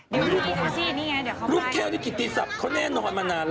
นี่ไงเดี๋ยวเข้าไปลูกแก้วนี่กิตตีศัพท์เขาแน่นอนมานานแล้ว